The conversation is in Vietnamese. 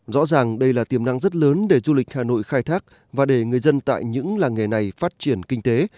rõ ràng đây là tiềm năng rất lớn để du lịch hà nội khai thác và để người dân tại những làng nghề này phát triển kinh tế